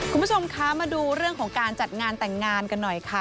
คุณผู้ชมคะมาดูเรื่องของการจัดงานแต่งงานกันหน่อยค่ะ